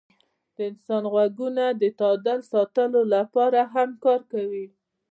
د انسان غوږونه د تعادل ساتلو لپاره هم کار کوي.